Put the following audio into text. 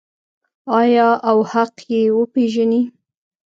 آیا او حق یې وپیژني؟